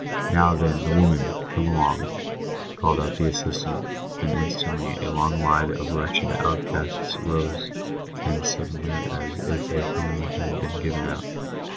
" Now then, the women, come along !" called out the assistant And instantly the long line of wretched outcasts rose as suddenly as if a hymn had been given out.